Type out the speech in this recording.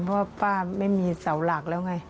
เพราะว่าป้าไม่มีเสาหลักแล้วไง